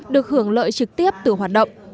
được hưởng lợi trực tiếp từ hoạt động